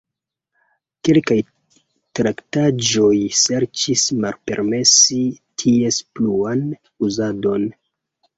Kelkaj traktaĵoj serĉis malpermesi ties pluan uzadon.